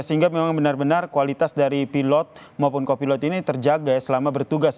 sehingga memang benar benar kualitas dari pilot maupun kopilot ini terjaga ya selama bertugas